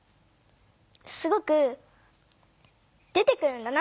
すごく出てくるんだな！